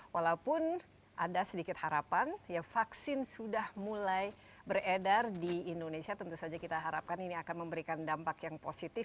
walaupun ada sedikit harapan ya vaksin sudah mulai beredar di indonesia tentu saja kita harapkan ini akan memberikan dampak yang positif